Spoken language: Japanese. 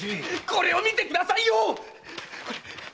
これを見てくださいよ！